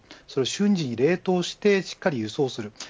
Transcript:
それを瞬時に冷凍してしっかり輸送する。